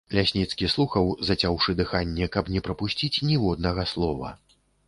Лясніцкі слухаў, зацяўшы дыханне, каб не прапусціць ніводнага слова.